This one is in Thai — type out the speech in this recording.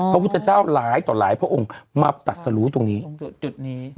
พระพุทธเจ้าหลายต่อหลายพระองค์มาตัดสรุตรงนี้ตรงจุดนี้